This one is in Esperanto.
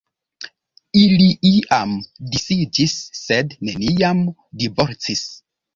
Ili iam disiĝis, sed neniam divorcis.